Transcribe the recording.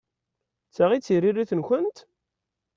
D ta i d tiririt-nkent?